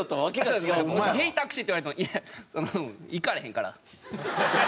「ヘイタクシー！」って言われても「いやその行かれへんから」。